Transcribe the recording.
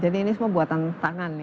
jadi ini semua buatan tangan ya